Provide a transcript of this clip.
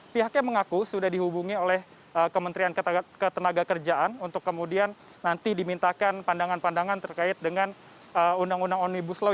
pihaknya mengaku sudah dihubungi oleh kementerian ketenaga kerjaan untuk kemudian nanti dimintakan pandangan pandangan terkait dengan undang undang omnibus law